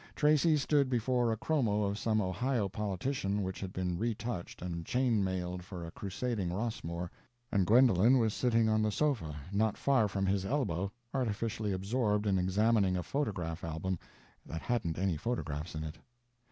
Tracy stood before a chromo of some Ohio politician which had been retouched and chain mailed for a crusading Rossmore, and Gwendolen was sitting on the sofa not far from his elbow artificially absorbed in examining a photograph album that hadn't any photographs in it.